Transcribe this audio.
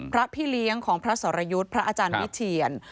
พระพี่เลี้ยงของพระสรยุทธ์พระอาจารย์วิเทียน